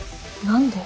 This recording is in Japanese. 何で？